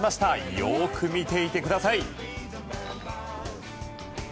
よく見ていてください。